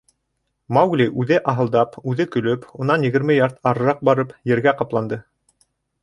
Маугли, үҙе аһылдап, үҙе көлөп, унан егерме ярд арыраҡ барып, ергә ҡапланды.